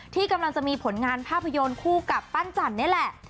ที่กำลังจะมีผลงานภาพยนตร์คู่กับปั้นจันนี่แหละ